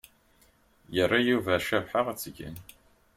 Yerra Yuba Cabḥa ad tgen.